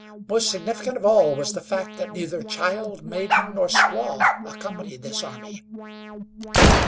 Most significant of all was the fact that neither child, maiden, nor squaw accompanied this army.